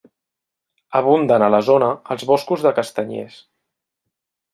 Abunden a la zona els boscos de castanyers.